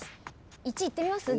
１いってみます？